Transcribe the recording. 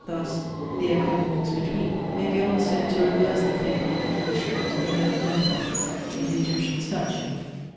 Thus, "The echoing walks between," may be almost said to reverse the fable in tradition of the head of Memnon, in the Egyptian statue.